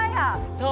そう